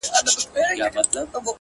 ستا د عشق د شربت تنده، له ازله یې پابنده